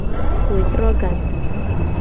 Wetro gato.